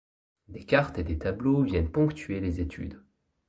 Des cartes et des tableaux viennent ponctuer les études.